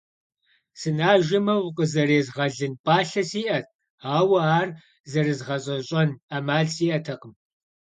Сынажэмэ, укъызэрезгъэлын пӀалъэ сиӀэт, ауэ ар зэрызгъэзэщӏэн Ӏэмал сиӀэтэкъым.